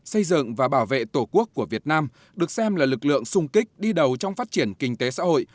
xây dựng và bảo vệ tổ quốc của việt nam được xem là lực lượng sung kích đi đầu trong phát triển kinh tế xã hội